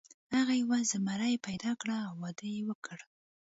هغه یوه زمریه پیدا کړه او واده یې وکړ.